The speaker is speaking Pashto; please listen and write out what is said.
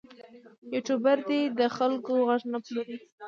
یوټوبر دې د خلکو غږ نه پلوري.